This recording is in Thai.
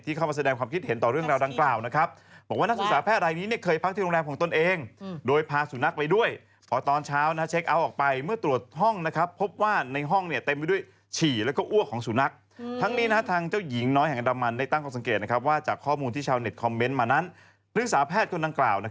ที่เข้ามาแสดงความคิดเห็นต่อเรื่องราวดังกล่าว